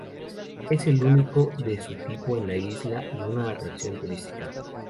Es el único de su tipo en la isla y una atracción turística.